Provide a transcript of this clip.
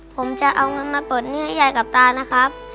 ผมจะเอาเงินมาปลดหนี้ให้ยายกับตานะครับ